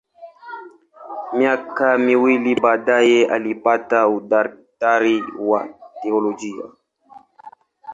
Miaka miwili baadaye alipata udaktari wa teolojia.